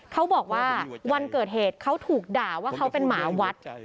เขาบอกว่าวันเกิดเหตุเขาถูกด่าว่าเขาเป็นหมาวัด